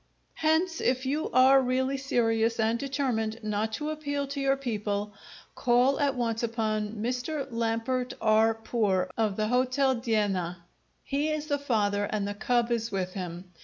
"Hence, if you are really serious and determined not to appeal to your people, call at once upon Mr. Lambert R. Poor, of the Hotel d'Iena. He is the father, and the cub is with him.